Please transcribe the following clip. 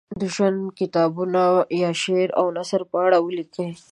د ژوند کتابونه یا شعر او نثر په اړه ولیکي.